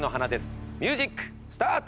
ミュージックスタート！